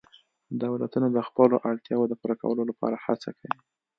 دولتونه د خپلو اړتیاوو د پوره کولو لپاره هڅه کوي